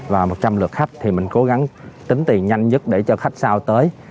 và một trăm linh lượt khách thì mình cố gắng tính tiền nhanh nhất để cho khách sau tới